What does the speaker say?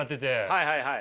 はいはいはい。